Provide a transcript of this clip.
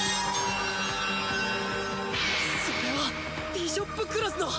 それはビショップクラスの。